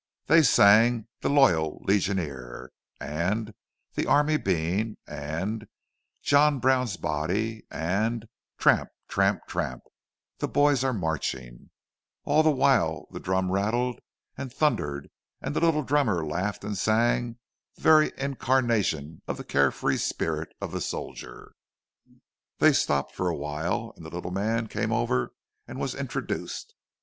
They sang "The Loyal Legioner" and "The Army Bean" and "John Brown's Body" and "Tramp, tramp, tramp, the boys are marching"; all the while the drum rattled and thundered, and the little drummer laughed and sang, the very incarnation of the care free spirit of the soldier! They stopped for a while, and the little man came over and was introduced.